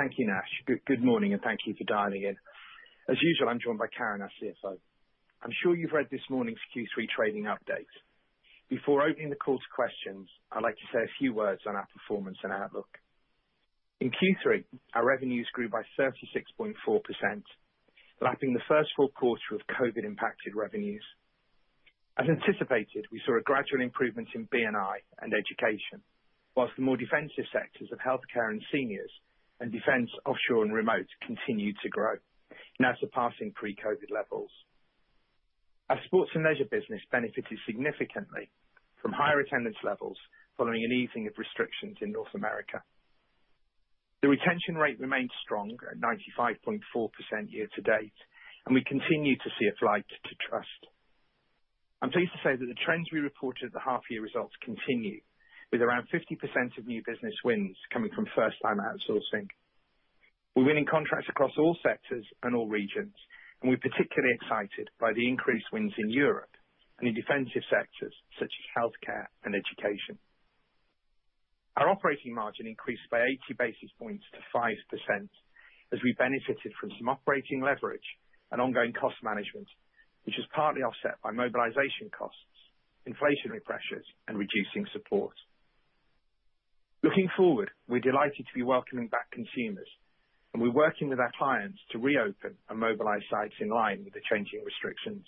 Thank you, Nash. Good morning, and thank you for dialing in. As usual, I'm joined by Karen, our CFO. I'm sure you've read this morning's Q3 trading update. Before opening the call to questions, I'd like to say a few words on our performance and outlook. In Q3, our revenues grew by 36.4%, lapping the first full quarter of COVID-impacted revenues. As anticipated, we saw a gradual improvement in B&I and education, whilst the more defensive sectors of healthcare and seniors and defense, offshore, and remote continued to grow, now surpassing pre-COVID levels. Our sports and leisure business benefited significantly from higher attendance levels following an easing of restrictions in North America. The retention rate remains strong at 95.4% year-to-date, and we continue to see a flight to trust. I'm pleased to say that the trends we reported at the half-year results continue, with around 50% of new business wins coming from first-time outsourcing. We're winning contracts across all sectors and all regions, and we're particularly excited by the increased wins in Europe and in defensive sectors such as healthcare and education. Our operating margin increased by 80 basis points to 5% as we benefited from some operating leverage and ongoing cost management, which was partly offset by mobilization costs, inflationary pressures, and reducing support. Looking forward, we're delighted to be welcoming back consumers, and we're working with our clients to reopen and mobilize sites in line with the changing restrictions.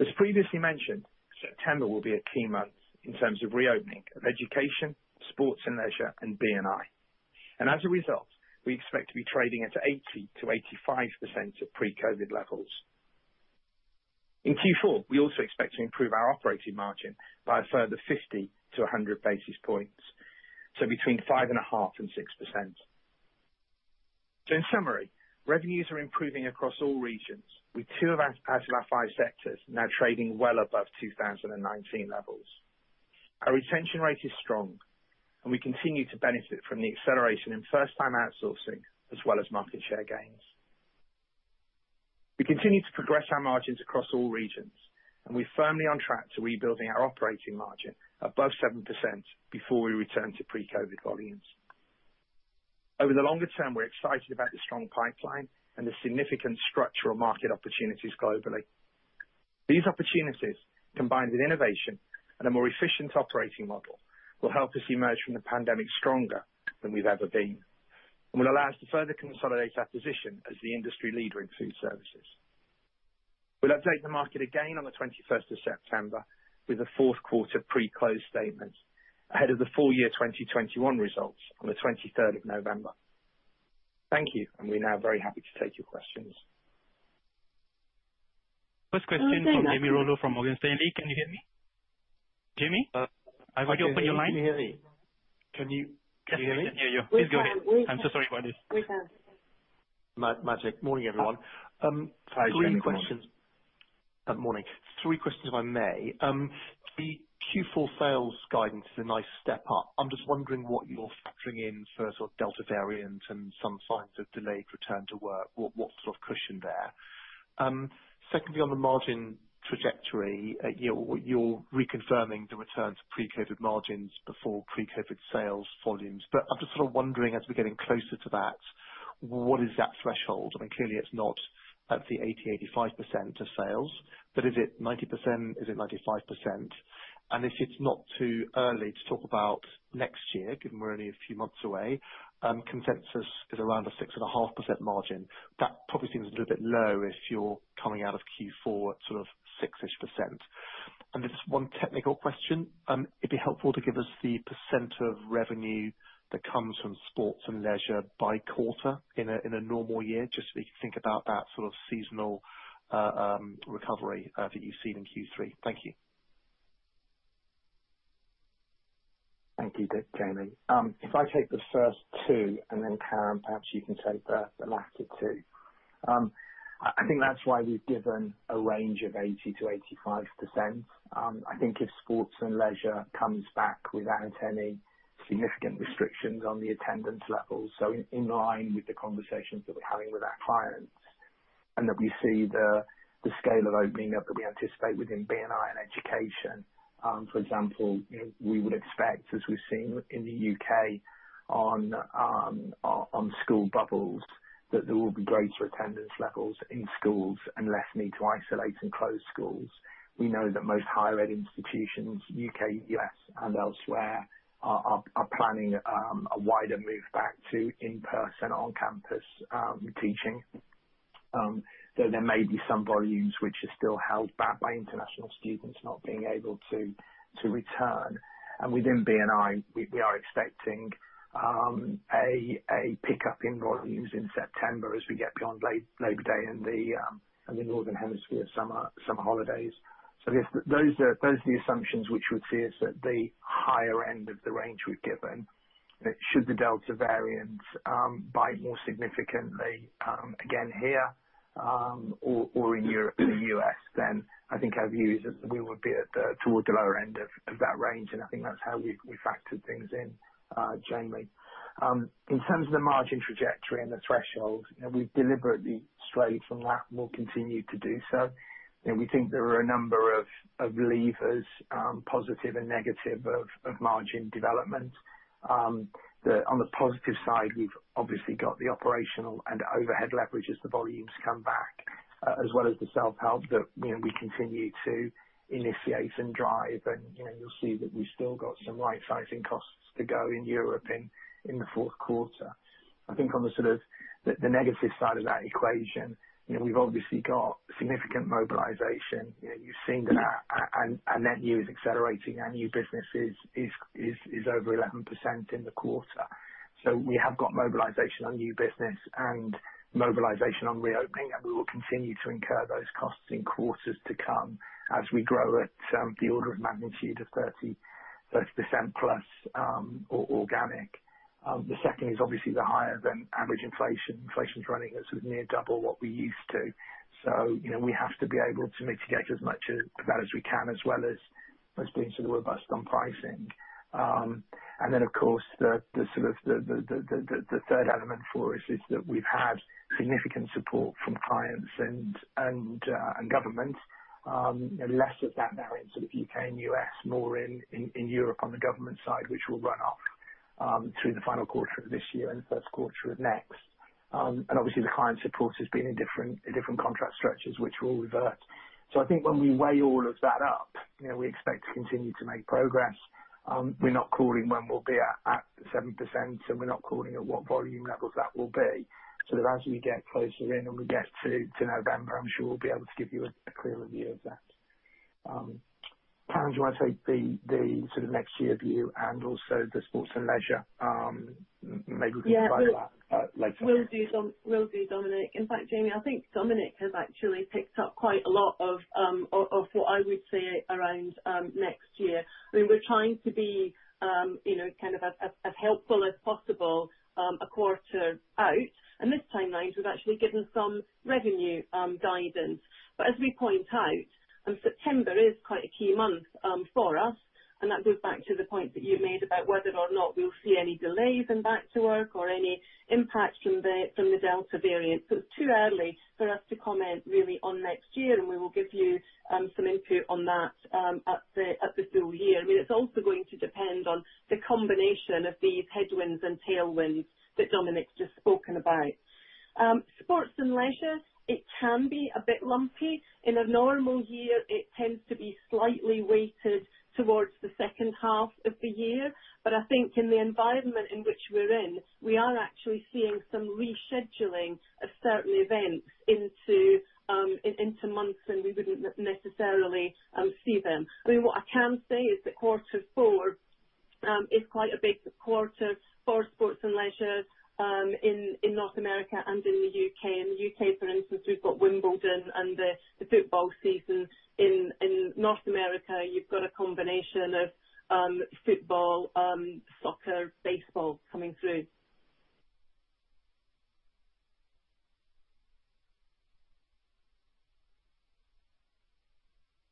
As previously mentioned, September will be a key month in terms of reopening of education, sports and leisure, and B&I. As a result, we expect to be trading at 80%-85% of pre-COVID levels. In Q4, we also expect to improve our operating margin by a further 50 to 100 basis points, so between 5.5% and 6%. In summary, revenues are improving across all regions, with two out of our five sectors now trading well above 2019 levels. Our retention rate is strong, and we continue to benefit from the acceleration in first-time outsourcing as well as market share gains. We continue to progress our margins across all regions, and we're firmly on track to rebuilding our operating margin above 7% before we return to pre-COVID volumes. Over the longer term, we're excited about the strong pipeline and the significant structural market opportunities globally. These opportunities, combined with innovation and a more efficient operating model, will help us emerge from the pandemic stronger than we've ever been and will allow us to further consolidate our position as the industry leader in food services. We'll update the market again on the 21st of September with a fourth quarter pre-close statement ahead of the full-year 2021 results on the 23rd of November. Thank you. We're now very happy to take your questions. First question from Jamie Rollo from Morgan Stanley. Can you hear me? Jamie? I will open your line. Can you hear me? Yes, we can hear you. Please go ahead. I'm so sorry about this. We can. Magic. Morning, everyone. Hi, Jamie. Morning. Morning. Three questions, if I may. The Q4 sales guidance is a nice step up. I'm just wondering what you're factoring in for sort of Delta variant and some signs of delayed return to work. What sort of cushion there? Secondly, on the margin trajectory, you're reconfirming the return to pre-COVID margins before pre-COVID sales volumes. I'm just sort of wondering as we're getting closer to that, what is that threshold? I mean, clearly it's not at the 80%-85% of sales, but is it 90%? Is it 95%? If it's not too early to talk about next year, given we're only a few months away, consensus is around a 6.5% margin. That probably seems a little bit low if you're coming out of Q4 at sort of 6-ish%. Just one technical question. It'd be helpful to give us the percent of revenue that comes from sports and leisure by quarter in a normal year, just so we can think about that sort of seasonal recovery that you've seen in Q3. Thank you. Thank you, Jamie. If I take the first two, then Karen, perhaps you can take the latter two. I think that's why we've given a range of 80%-85%. I think if sports and leisure comes back without any significant restrictions on the attendance levels, so in line with the conversations that we're having with our clients, and that we see the scale of opening up that we anticipate within B&I and education. For example, we would expect, as we've seen in the U.K. on school bubbles, that there will be greater attendance levels in schools and less need to isolate and close schools. We know that most higher ed institutions, U.K., U.S., and elsewhere, are planning a wider move back to in-person, on-campus teaching, though there may be some volumes which are still held back by international students not being able to return. Within B&I, we are expecting a pickup in volumes in September as we get beyond Labor Day and the Northern Hemisphere summer holidays. Those are the assumptions which would see us at the higher end of the range we've given. Should the Delta variant bite more significantly again here or in Europe or the U.S., then I think our view is that we would be towards the lower end of that range, and I think that's how we factored things in, Jamie. In terms of the margin trajectory and the threshold, we've deliberately strayed from that and will continue to do so. We think there are a number of levers, positive and negative, of margin development. On the positive side, we've obviously got the operational and overhead leverage as the volumes come back. As well as the self-help that we continue to initiate and drive. You'll see that we've still got some rightsizing costs to go in Europe in the fourth quarter. I think on the negative side of that equation, we've obviously got significant mobilization. You've seen that our net new is accelerating, our new business is over 11% in the quarter. We have got mobilization on new business and mobilization on reopening, and we will continue to incur those costs in quarters to come as we grow at the order of magnitude of 30%+ organic. The second is obviously the higher than average inflation. Inflation is running at sort of near 2x what we used to. We have to be able to mitigate as much of that as we can, as well as being sort of robust on pricing. Of course, the third element for us is that we've had significant support from clients and government. Less of that now in the U.K. and U.S., more in Europe on the government side, which will run off through the final quarter of this year and the first quarter of next. Obviously the client support has been in different contract structures, which will revert. I think when we weigh all of that up, we expect to continue to make progress. We're not calling when we'll be at 7%, and we're not calling at what volume level that will be. As we get closer in and we get to November, I'm sure we'll be able to give you a clearer view of that. Karen Witts, do you want to take the next year view and also the sports and leisure? Maybe we can take that later. Will do, Dominic. In fact, Jamie, I think Dominic has actually picked up quite a lot of what I would say around next year. We're trying to be as helpful as possible a quarter out, and this time last, we've actually given some revenue guidance. As we point out, and September is quite a key month for us, and that goes back to the point that you made about whether or not we'll see any delays in back to work or any impact from the Delta variant. It's too early for us to comment really on next year, and we will give you some input on that at the full-year. It's also going to depend on the combination of these headwinds and tailwinds that Dominic's just spoken about. Sports and leisure, it can be a bit lumpy. In a normal year, it tends to be slightly weighted towards the second half of the year. I think in the environment in which we're in, we are actually seeing some rescheduling of certain events into months, and we wouldn't necessarily see them. What I can say is that quarter four is quite a big quarter for sports and leisure in North America and in the U.K. In the U.K., for instance, we've got Wimbledon and the football season. In North America, you've got a combination of football, soccer, baseball coming through.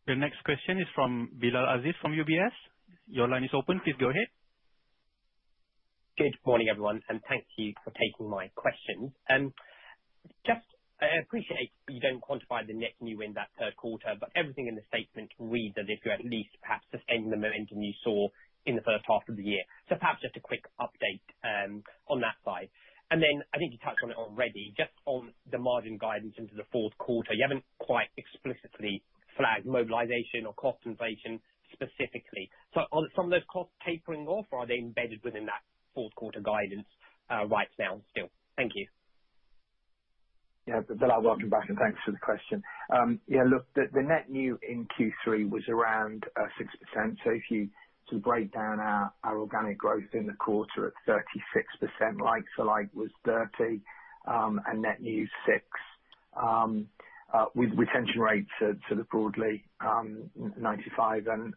The next question is from Bilal Aziz from UBS. Your line is open. Please go ahead. Good morning, everyone. Thank you for taking my questions. I appreciate you don't quantify the net new in that third quarter, everything in the statement reads as if you're at least perhaps sustaining the momentum you saw in the first half of the year. Perhaps just a quick update on that side. I think you touched on it already, just on the margin guidance into the fourth quarter. You haven't quite explicitly flagged mobilization or cost inflation specifically. Are some of those costs tapering off, or are they embedded within that fourth quarter guidance right now still? Thank you. Bilal, welcome back, and thanks for the question. The net new in Q3 was around 6%. If you break down our organic growth in the quarter at 36%, like for like was 30%, and net new 6%. With retention rates sort of broadly 95.5%,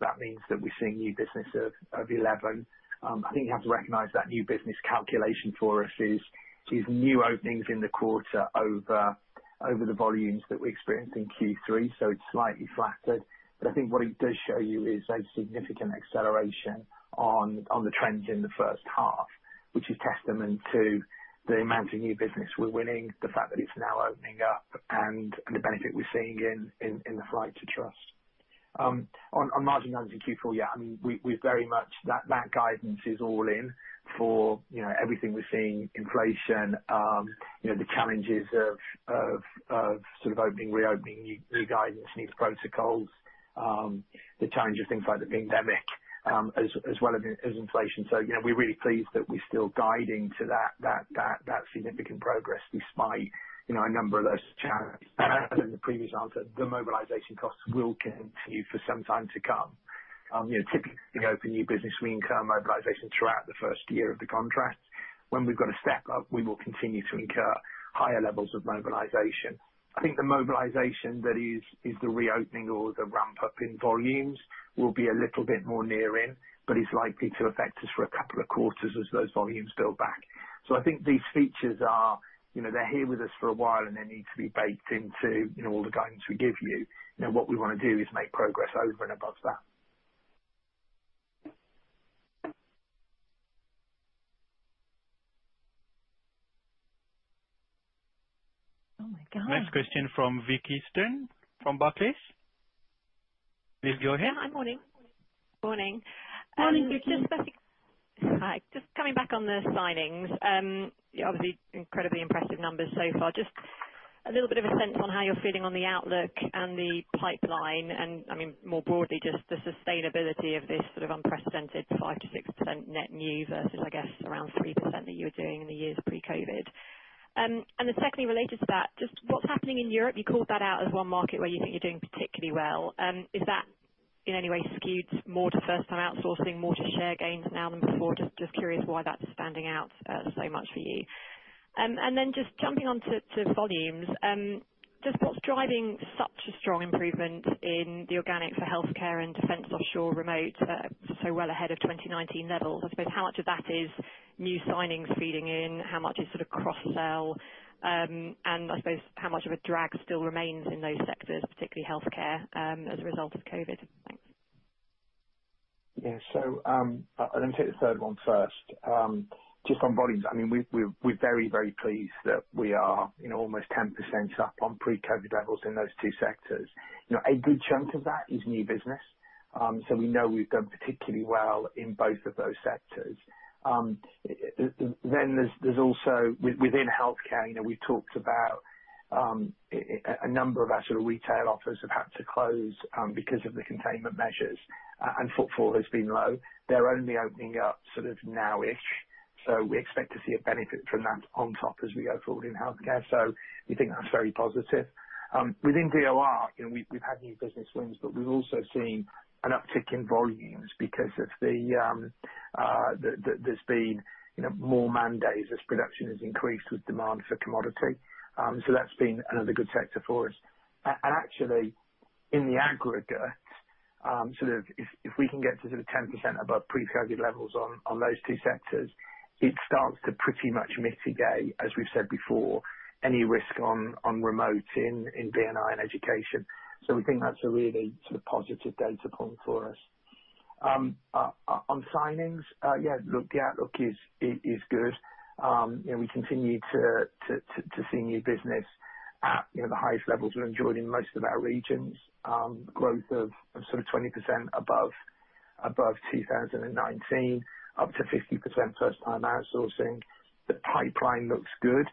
that means that we're seeing new business of 11%. I think you have to recognize that new business calculation for us is new openings in the quarter over the volumes that we experienced in Q3, so it's slightly flattered. I think what it does show you is a significant acceleration on the trends in the first half, which is testament to the amount of new business we're winning, the fact that it's now opening up, and the benefit we're seeing in the flight to trust. On margin guidance in Q4, yeah, that guidance is all in for everything we're seeing, inflation, the challenges of opening, reopening, new guidance, new protocols, the challenge of things like the pandemic, as well as inflation. We're really pleased that we're still guiding to that significant progress despite a number of those challenges. As in the previous answer, the mobilization costs will continue for some time to come. Typically, when we open new business, we incur mobilization throughout the first year of the contract. When we've got a step-up, we will continue to incur higher levels of mobilization. I think the mobilization that is the reopening or the ramp-up in volumes will be a little bit more near in, but it's likely to affect us for a couple of quarters as those volumes build back. I think these features are here with us for a while, and they need to be baked into all the guidance we give you. What we want to do is make progress over and above that. Next question from Vicki Stern from Barclays? Hi, morning. Morning. Coming back on the signings, obviously incredibly impressive numbers so far. A little bit of a sense on how you're feeling on the outlook and the pipeline, and more broadly, the sustainability of this sort of unprecedented 5%-6% net new versus, I guess, around 3% that you were doing in the years pre-COVID. Secondly, related to that, just what's happening in Europe, you called that out as one market where you think you're doing particularly well. Is that in any way skewed more to first-time outsourcing, more to share gains now than before? Curious why that's standing out so much for you. Jumping onto volumes, just what's driving such a strong improvement in the organic for healthcare and defense offshore remote so well ahead of 2019 levels? I suppose, how much of that is new signings feeding in? How much is sort of cross-sell? I suppose how much of a drag still remains in those sectors, particularly healthcare, as a result of COVID? Thanks. Yeah. Let me take the third one first. Just on volumes, we're very, very pleased that we are almost 10% up on pre-COVID levels in those two sectors. A good chunk of that is new business, we know we've done particularly well in both of those sectors. There's also, within healthcare, we talked about a number of our retail offers have had to close because of the containment measures, and footfall has been low. They're only opening up now-ish, we expect to see a benefit from that on top as we go forward in healthcare. We think that's very positive. Within DOR, we've had new business wins, we've also seen an uptick in volumes because there's been more mandates as production has increased with demand for commodity. That's been another good sector for us. Actually, in the aggregate, if we can get to 10% above pre-COVID levels on those two sectors, it starts to pretty much mitigate, as we've said before, any risk on remote in B&I and education. We think that's a really positive data point for us. On signings, yeah, the outlook is good. We continue to see new business at the highest levels we enjoyed in most of our regions, growth of sort of 20% above 2019, up to 50% first time outsourcing. The pipeline looks good.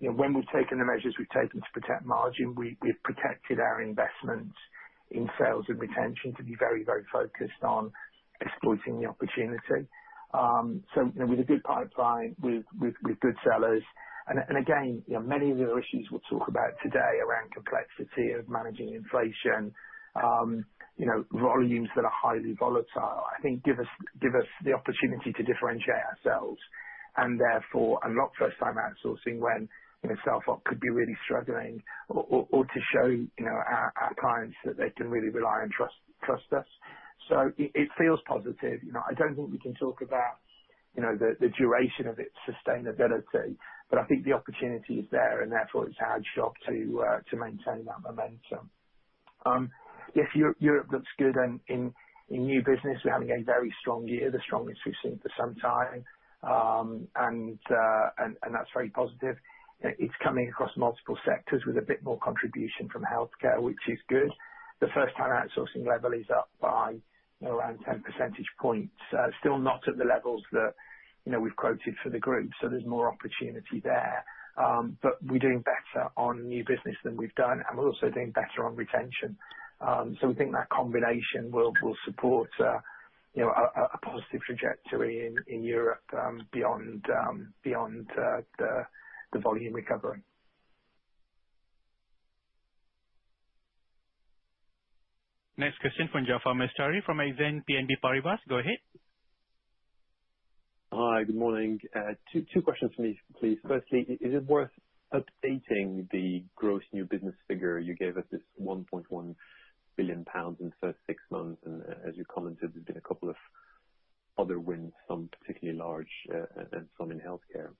When we've taken the measures we've taken to protect margin, we've protected our investment in sales and retention to be very, very focused on exploiting the opportunity. With a good pipeline, with good sellers, and again, many of the other issues we'll talk about today around complexity of managing inflation, volumes that are highly volatile, I think give us the opportunity to differentiate ourselves, and therefore unlock first-time outsourcing when a seller could be really struggling, or to show our clients that they can really rely and trust us. It feels positive. I don't think we can talk about the duration of its sustainability, but I think the opportunity is there, and therefore it's our job to maintain that momentum. Yes, Europe looks good in new business. We're having a very strong year, the strongest we've seen for some time, and that's very positive. It's coming across multiple sectors with a bit more contribution from healthcare, which is good. The first-time outsourcing level is up by around 10 percentage points. Still not at the levels that we've quoted for the group, so there's more opportunity there. We're doing better on new business than we've done, and we're also doing better on retention. We think that combination will support a positive trajectory in Europe beyond the volume recovery. Next question from Jaafar Mestari from Exane BNP Paribas. Go ahead. Hi, good morning. Two questions from me, please. Firstly, is it worth updating the gross new business figure? You gave us this 1.1 billion pounds in the first six months. As you commented, there's been a couple of other wins, some particularly large, and some in healthcare.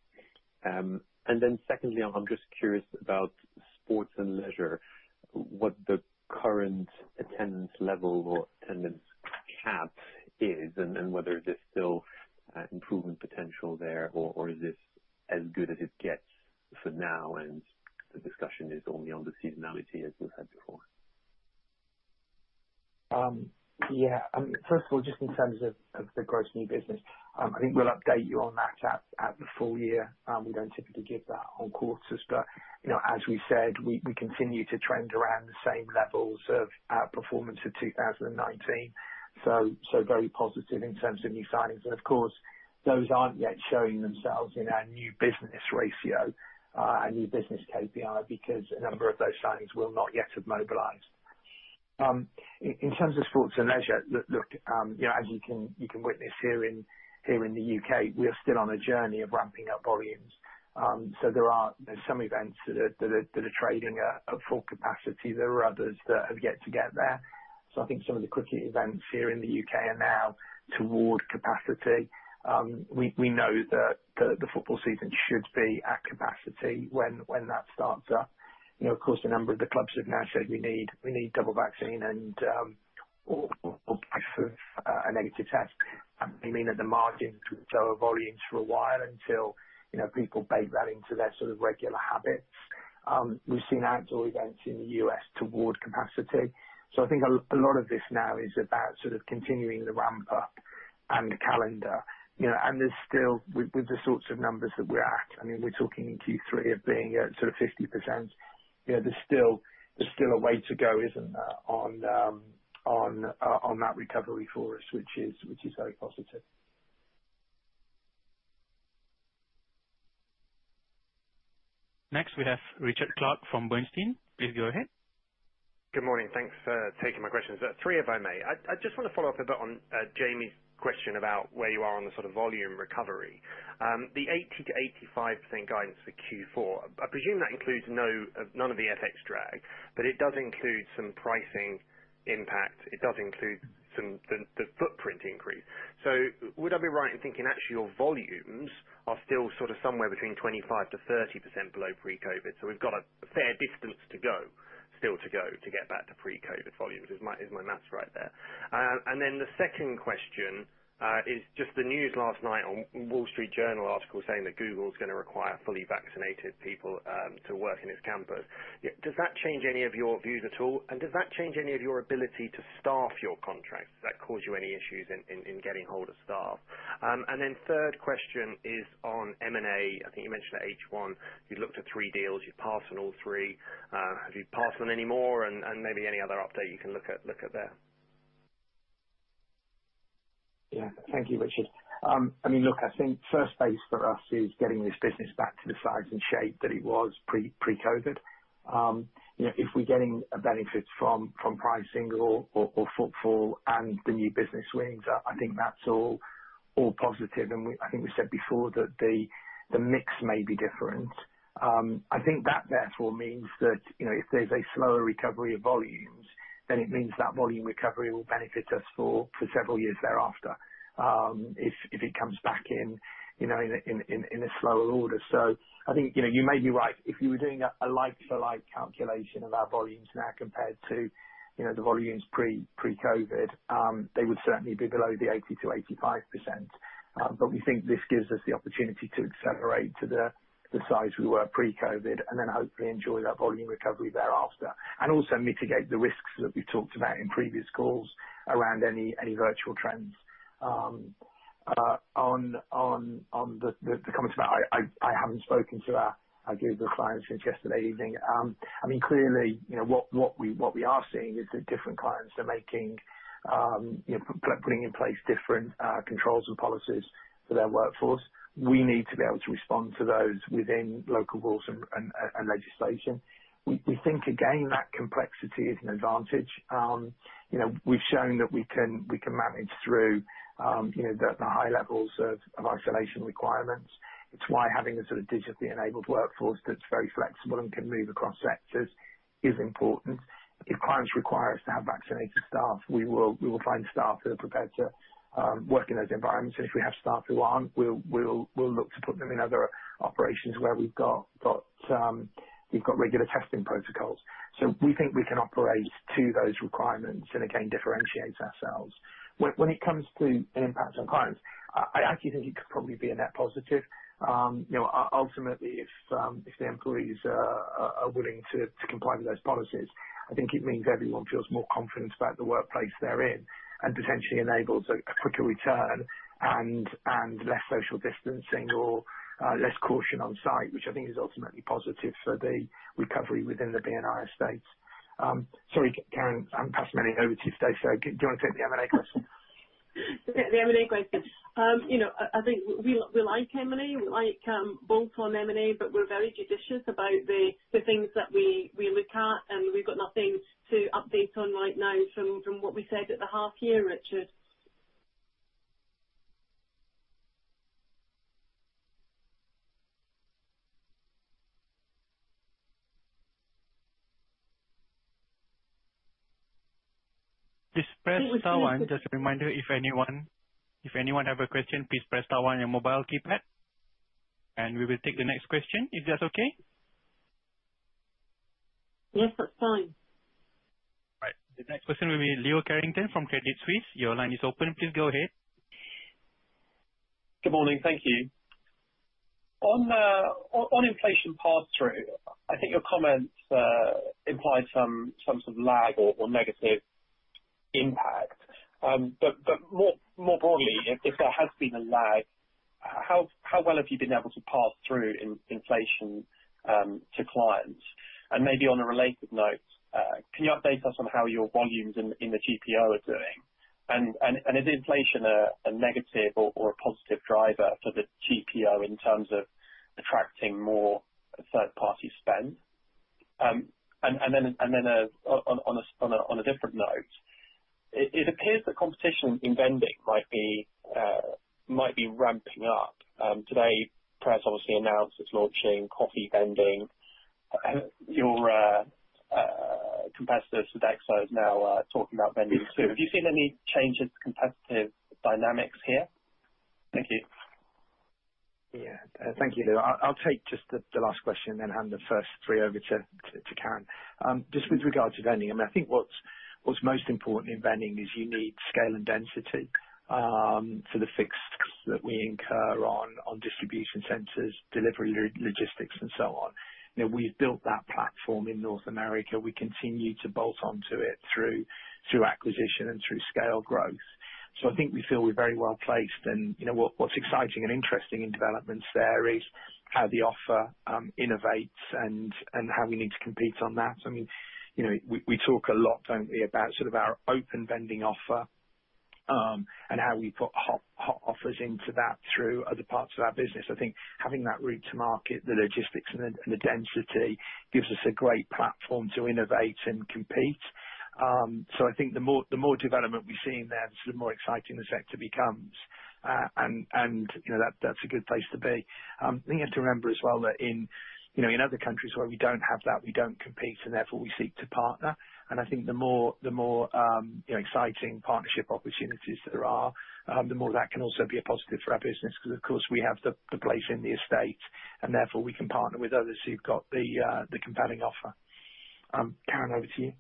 Then secondly, I'm just curious about sports and leisure, what the current attendance level or attendance cap is, and whether there's still improvement potential there, or is this as good as it gets for now, and the discussion is only on the seasonality as we've had before? Yeah. First of all, just in terms of the gross new business, I think we'll update you on that at the full-year. We don't typically give that on quarters, but as we said, we continue to trend around the same levels of outperformance for 2019. Very positive in terms of new signings. Of course, those aren't yet showing themselves in our new business ratio, our new business KPI, because a number of those signings will not yet have mobilized. In terms of sports and leisure, look, as you can witness here in the U.K., we are still on a journey of ramping up volumes. There are some events that are trading at full capacity. There are others that have yet to get there. I think some of the cricket events here in the U.K. are now toward capacity. We know that the football season should be at capacity when that starts up. Of course, a number of the clubs have now said we need double vaccine or proof of a negative test. We mean that the margin could tell our volumes for a while until people bake that into their regular habits. We've seen outdoor events in the U.S. toward capacity. I think a lot of this now is about continuing the ramp-up and the calendar. There's still, with the sorts of numbers that we're at, we're talking Q3 of being at 50%. There's still a way to go, isn't there, on that recovery for us, which is very positive. Next, we have Richard Clarke from Bernstein. Please go ahead. Good morning. Thanks for taking my questions. Three, if I may. I just want to follow up a bit on Jamie's question about where you are on the volume recovery. The 80%-85% guidance for Q4, I presume that includes none of the FX drag. It does include some pricing impact. It does include the footprint increase. Would I be right in thinking actually your volumes are still somewhere between 25%-30% below pre-COVID? We've got a fair distance to go, still to go to get back to pre-COVID volumes. Is my math right there? The second question is just the news last night on The Wall Street Journal article saying that Google is going to require fully vaccinated people to work in its campus. Does that change any of your views at all? Does that change any of your ability to staff your contracts? Does that cause you any issues in getting hold of staff? Third question is on M&A. I think you mentioned at H1, you looked at three deals. You passed on all three. Have you passed on any more? Maybe any other update you can look at there. Thank you, Richard. I think first base for us is getting this business back to the size and shape that it was pre-COVID. If we're getting a benefit from pricing or footfall and the new business wins, I think that's all positive. I think we said before that the mix may be different. I think that therefore means that if there's a slower recovery of volumes, it means that volume recovery will benefit us for several years thereafter if it comes back in a slower order. I think you may be right. If you were doing a like for like calculation of our volumes now compared to the volumes pre-COVID, they would certainly be below the 80%-85%. We think this gives us the opportunity to accelerate to the size we were pre-COVID, and then hopefully enjoy that volume recovery thereafter, and also mitigate the risks that we've talked about in previous calls around any virtual trends. I haven't spoken to our Google clients since yesterday evening. Clearly, what we are seeing is that different clients are putting in place different controls and policies for their workforce. We need to be able to respond to those within local rules and legislation. We think, again, that complexity is an advantage. We've shown that we can manage through the high levels of isolation requirements. It's why having a digitally enabled workforce that's very flexible and can move across sectors is important. If clients require us to have vaccinated staff, we will find staff who are prepared to work in those environments. If we have staff who aren't, we'll look to put them in other operations where we've got regular testing protocols. We think we can operate to those requirements and again, differentiate ourselves. When it comes to an impact on clients, I actually think it could probably be a net positive. Ultimately, if the employees are willing to comply with those policies, I think it means everyone feels more confident about the workplace they're in and potentially enables a quicker return and less social distancing or less caution on site, which I think is ultimately positive for the recovery within the B&I estate. Sorry, Karen, I'm passing many over to you today. Do you want to take the M&A question? The M&A question. I think we like M&A. We like bolt-on M&A, but we're very judicious about the things that we look at, and we've got nothing to update on right now from what we said at the half year, Richard. Please press star one. Just a reminder, if anyone have a question, please press star one on your mobile keypad, we will take the next question. Is that okay? Yes, that's fine. All right. The next person will be Leo Carrington from Credit Suisse. Your line is open. Please go ahead. Good morning. Thank you. On inflation pass-through, I think your comments implied some sort of lag or negative impact. More broadly, if there has been a lag, how well have you been able to pass through inflation to clients? Maybe on a related note, can you update us on how your volumes in the GPO are doing? Is inflation a negative or a positive driver for the GPO in terms of attracting more third-party spend? On a different note, it appears that competition in vending might be ramping up. Today, Pret obviously announced it's launching coffee vending. Your competitor, Sodexo, is now talking about vending too. Have you seen any change in competitive dynamics here? Thank you. Thank you, Leo. I'll take just the last question, then hand the first three over to Karen. With regards to vending, I think what's most important in vending is you need scale and density for the fixed costs that we incur on distribution centers, delivery, logistics, and so on. We've built that platform in North America. We continue to bolt onto it through acquisition and through scale growth. I think we feel we're very well-placed. What's exciting and interesting in developments there is how the offer innovates and how we need to compete on that. We talk a lot don't we, about sort of our open vending offer, and how we put hot offers into that through other parts of our business. I think having that route to market, the logistics and the density gives us a great platform to innovate and compete. I think the more development we see in there, the more exciting the sector becomes. That's a good place to be. I think you have to remember as well that in other countries where we don't have that, we don't compete, and therefore we seek to partner. I think the more exciting partnership opportunities there are, the more that can also be a positive for our business, because, of course, we have the place in the estate, and therefore we can partner with others who've got the compelling offer. Karen, over to you.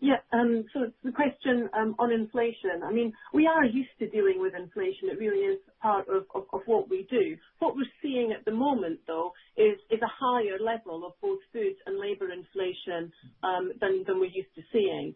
The question on inflation, we are used to dealing with inflation. It really is part of what we do. What we're seeing at the moment, though, is a higher level of both food and labor inflation, than we're used to seeing.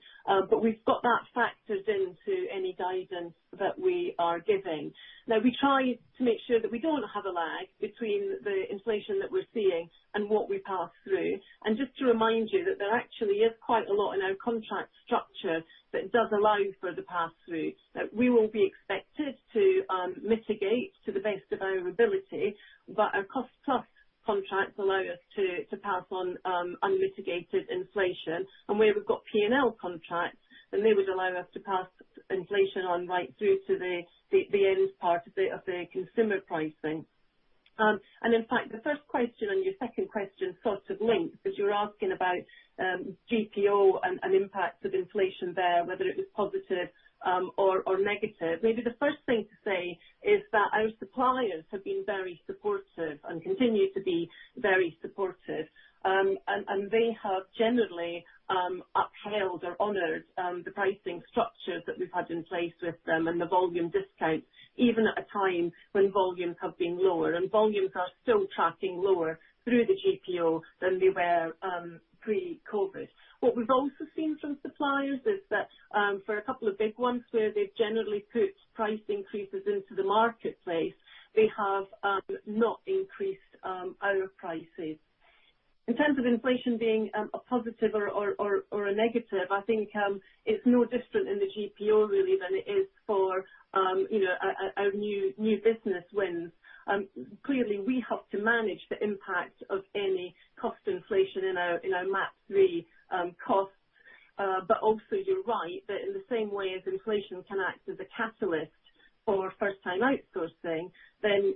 We've got that factored into any guidance that we are giving. Now we try to make sure that we don't have a lag between the inflation that we're seeing and what we pass through. Just to remind you that there actually is quite a lot in our contract structure that does allow for the pass-through, that we will be expected to mitigate to the best of our ability. Our cost-plus contracts allow us to pass on unmitigated inflation. Where we've got P&L contracts, they would allow us to pass inflation on right through to the end part of the consumer pricing. In fact, the first question and your second question sort of link, because you're asking about GPO and impacts of inflation there, whether it was positive or negative. Maybe the first thing to say is that our suppliers have been very supportive and continue to be very supportive. They have generally upheld or honored the pricing structures that we've had in place with them and the volume discounts, even at a time when volumes have been lower, and volumes are still tracking lower through the GPO than they were pre-COVID. What we've also seen from suppliers is that, for a couple of big ones where they've generally put price increases into the marketplace, they have not increased our prices. In terms of inflation being a positive or a negative, I think it's no different in the GPO really than it is for our new business wins. Clearly, we have to manage the impact of any cost inflation in our MAP3 costs. You're right that in the same way as inflation can act as a catalyst for first-time outsourcing,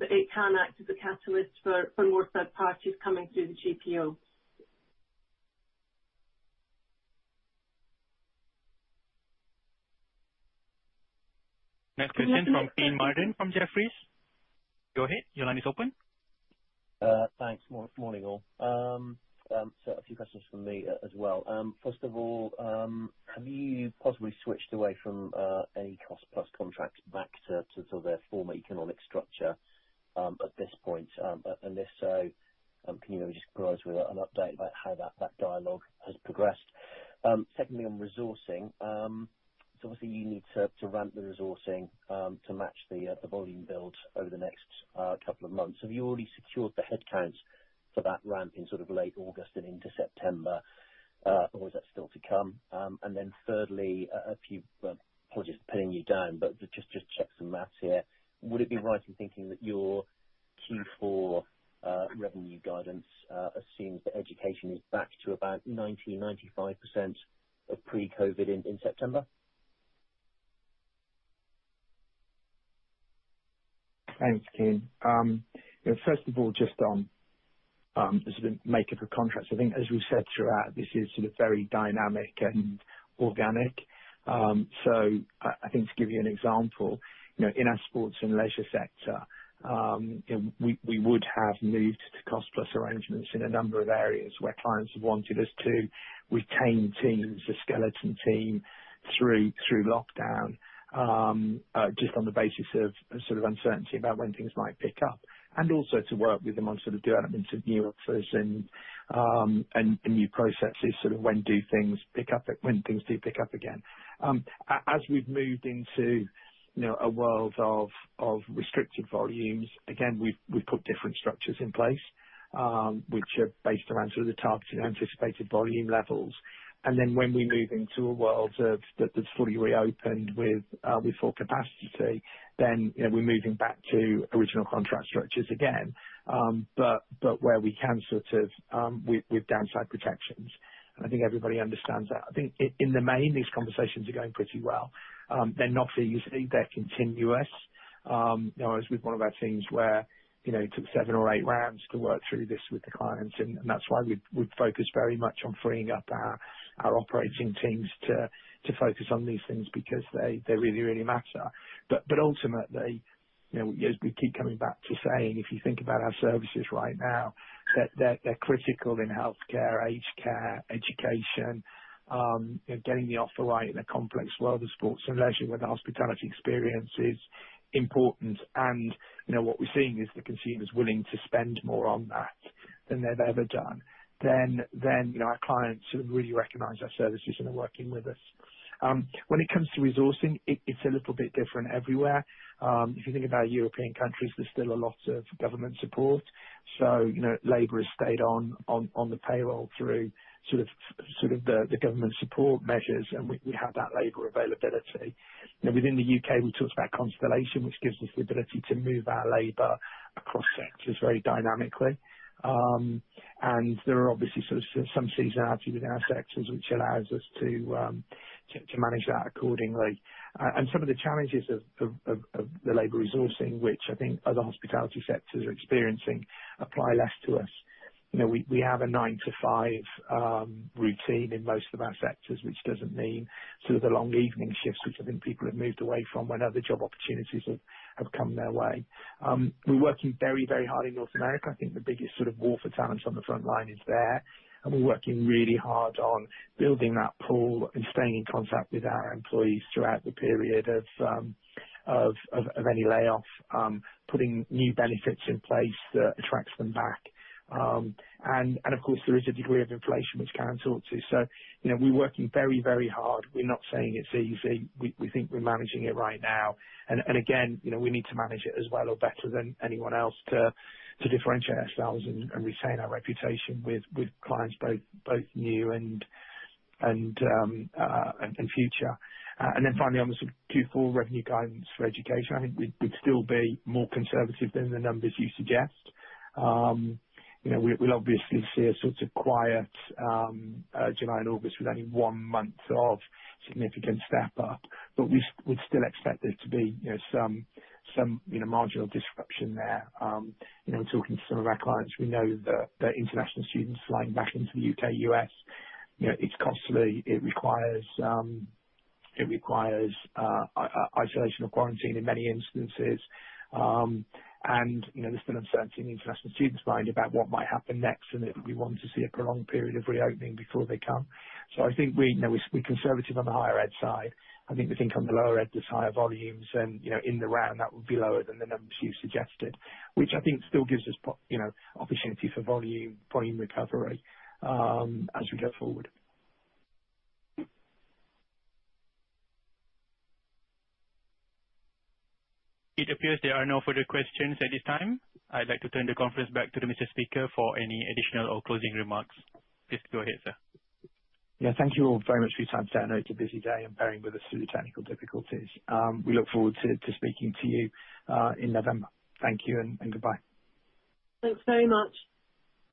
it can act as a catalyst for more third parties coming through the GPO. Next question from Kean Marden from Jefferies. Go ahead. Your line is open. Thanks. Morning, all. A few questions from me as well. First of all, have you possibly switched away from any cost-plus contracts back to their former economic structure at this point? If so, can you maybe just provide us with an update about how that dialogue has progressed? Secondly, on resourcing, obviously you need to ramp the resourcing to match the volume build over the next couple of months. Have you already secured the headcounts for that ramp in sort of late August and into September, or is that still to come? Thirdly, apologies for pinning you down, but just to check some maths here. Would it be right in thinking that your Q4 revenue guidance assumes that education is back to about 90%-95% of pre-COVID in September? Thanks, Kean. First of all, just on the sort of makeup of contracts. I think as we said throughout, this is sort of very dynamic and organic. I think to give you an example, in our sports and leisure sector, we would have moved to cost-plus arrangements in a number of areas where clients have wanted us to retain teams, a skeleton team through lockdown, just on the basis of sort of uncertainty about when things might pick up. Also to work with them on sort of development of new offers and new processes, sort of when do things pick up, when things do pick up again. As we've moved into a world of restricted volumes, again, we've put different structures in place, which are based around sort of the targets and anticipated volume levels. When we move into a world that's fully reopened with full capacity, then we're moving back to original contract structures again, but where we can sort of with downside protections. I think everybody understands that. I think in the main, these conversations are going pretty well. Usually, they're continuous. I was with one of our teams where it took seven or eight rounds to work through this with the clients, and that's why we focus very much on freeing up our operating teams to focus on these things because they really, really matter. Ultimately, as we keep coming back to saying, if you think about our services right now, they're critical in healthcare, aged care, education, getting the offer right in a complex world of sports and leisure where the hospitality experience is important. What we're seeing is the consumers willing to spend more on that than they've ever done. Our clients really recognize our services and are working with us. When it comes to resourcing, it's a little bit different everywhere. If you think about European countries, there's still a lot of government support. Labor has stayed on the payroll through the government support measures, and we have that labor availability. Within the U.K., we talked about Constellation, which gives us the ability to move our labor across sectors very dynamically. There are obviously some seasonality within our sectors, which allows us to manage that accordingly. Some of the challenges of the labor resourcing, which I think other hospitality sectors are experiencing, apply less to us. We have a nine-to-five routine in most of our sectors, which doesn't mean the long evening shifts, which I think people have moved away from when other job opportunities have come their way. We're working very, very hard in North America. I think the biggest war for talent on the front line is there, and we're working really hard on building that pool and staying in contact with our employees throughout the period of any layoff. Putting new benefits in place that attracts them back. Of course, there is a degree of inflation, which Karen talked to. We're working very, very hard. We're not saying it's easy. We think we're managing it right now. Again, we need to manage it as well or better than anyone else to differentiate ourselves and retain our reputation with clients, both new and future. Finally, on the Q4 revenue guidance for education, I think we'd still be more conservative than the numbers you suggest. We'll obviously see a quiet July and August with only one month of significant step up, but we'd still expect there to be some marginal disruption there. In talking to some of our clients, we know that international students flying back into the U.K., U.S., it requires isolation or quarantine in many instances. There's still uncertainty in international students' mind about what might happen next, and we want to see a prolonged period of reopening before they come. I think we're conservative on the higher ed side. I think the thing on the lower ed, there's higher volumes and in the round, that would be lower than the numbers you suggested, which I think still gives us opportunity for volume recovery as we go forward. It appears there are no further questions at this time. I'd like to turn the conference back to the Speaker for any additional or closing remarks. Please go ahead, sir. Yeah. Thank you all very much for your time today. I know it's a busy day, and bearing with us through the technical difficulties. We look forward to speaking to you in November. Thank you and goodbye. Thanks very much.